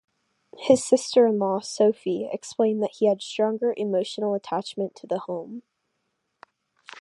His sister-in-law Sophie explained that he had a stronger emotional attachment to the home.